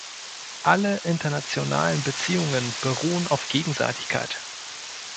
Alle internationalen Beziehungen beruhen auf Gegenseitigkeit.